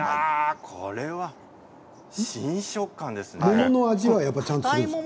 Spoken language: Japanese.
これは新食感ですね。